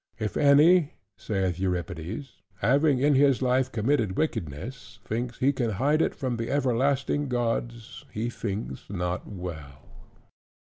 If any (saith Euripides) "having in his life committed wickedness, thinks he can hide it from the everlasting gods, he thinks not well."